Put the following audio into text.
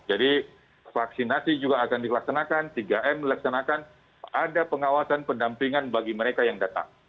jadi vaksinasi juga akan dilaksanakan tiga m dilaksanakan ada pengawasan pendampingan bagi mereka yang datang